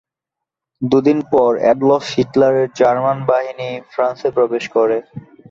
দুদিন পর অ্যাডলফ হিটলারের জার্মান বাহিনী ফ্রান্সে প্রবেশ করে।